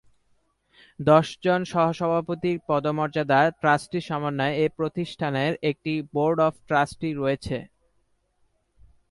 দশ জন সহসভাপতির পদমর্যাদার ট্রাস্টির সমন্বয়ে এ প্রতিষ্ঠানের একটি বোর্ড অব ট্রাস্টি রয়েছে।